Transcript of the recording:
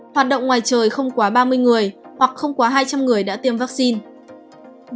hoạt động ngoài trời không quá ba mươi người hoặc không quá hai trăm linh người đã tiêm vaccine